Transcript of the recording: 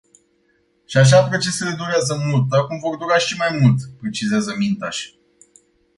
Și așa procesele durează mult, acum vor dura și mai mult, precizează Mintaș.